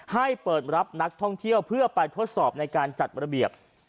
ให้เปิดรับนักท่องเที่ยวเพื่อไปทดสอบในการจัดระเบียบ